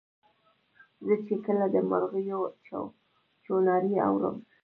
زه چي کله د مرغیو چوڼاری اورم